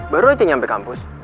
baru aja nyampe kampus